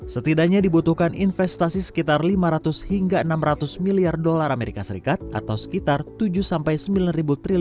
setidaknya dibutuhkan investasi sekitar lima ratus hingga enam ratus miliar dolar amerika serikat atau sekitar tujuh sampai sembilan ribu triliun rupiah untuk melakukan transisi energi bersih di sektor kelistrikan